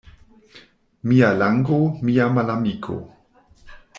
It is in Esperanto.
Mia lango — mia malamiko.